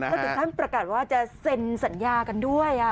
แล้วถึงขั้นประกาศว่าจะเซ็นสัญญากันด้วย